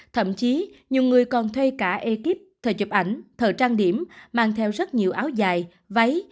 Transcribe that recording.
thậm chí nhiều người còn thuê cả ekip thời chụp ảnh thời trang điểm mang theo rất nhiều áo dài váy